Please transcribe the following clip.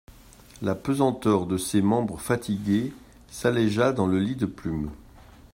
La pesanteur de ses membres fatigués s'allégea dans le lit de plumes.